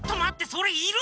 それいる？